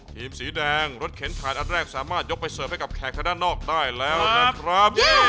สีแดงรถเข็นขาดอันแรกสามารถยกไปเสิร์ฟให้กับแขกทางด้านนอกได้แล้วนะครับ